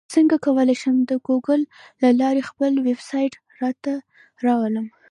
څنګه کولی شم د ګوګل له لارې خپل ویبسایټ راته راولم